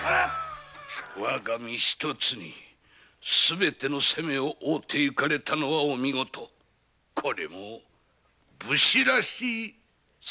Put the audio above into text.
わが身一つにすべての責めを負うていかれたのはお見事これも武士らしい最後と言えましょう。